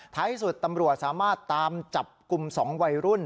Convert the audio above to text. ท้ายสุดตำรวจสามารถตามจับกลุ่ม๒วัยรุ่น